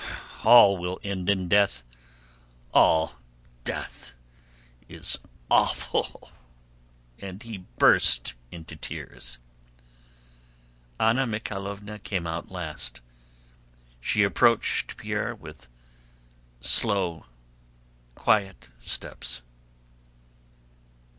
All will end in death, all! Death is awful..." and he burst into tears. Anna Mikháylovna came out last. She approached Pierre with slow, quiet steps.